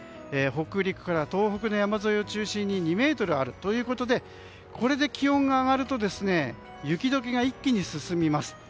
北陸から東北の山沿いを中心に２ｍあるということでこれで気温が上がると雪解けが一気に進みます。